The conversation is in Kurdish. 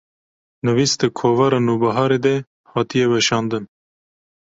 nivîs di kovara Nûbiharê de hatiye weşandin